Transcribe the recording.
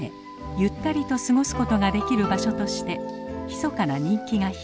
ゆったりと過ごすことができる場所としてひそかな人気が広がっています。